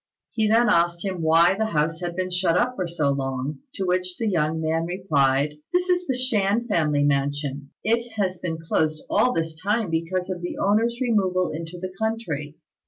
He then asked him why the house had been shut up for so long; to which the young man replied, "This is the Shan family mansion. It has been closed all this time because of the owner's removal into the country.